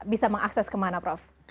bisa mengakses kemana prof